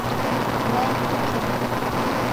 Мыйын йӱкем